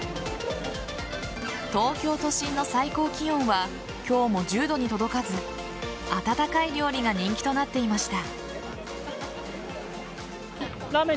東京都心の最高気温は今日も１０度に届かず温かい料理が人気となっていました。